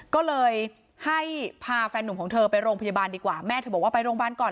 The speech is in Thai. ก็เลยให้พาแฟนหนุ่มของเธอไปโรงพยาบาลดีกว่าแม่เธอบอกว่าไปโรงพยาบาลก่อน